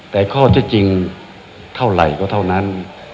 แต่ข้อที่จริงเท่าไหร่ก็เท่านั้น